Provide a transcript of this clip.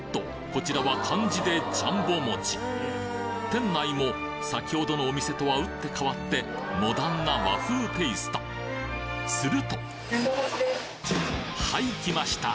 こちらは漢字で両棒餅店内も先程のお店とは打って変わってモダンな和風テイストするとはい来ました！